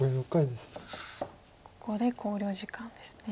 ここで考慮時間ですね。